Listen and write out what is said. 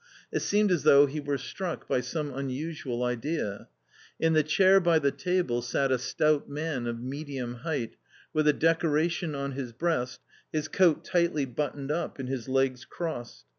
It seemed as though he were struck by some unusual idea. In the chair by the table sat a stout man of medium height, with a decoration on his breast, his coat tightly buttoned up, and his legs crossed.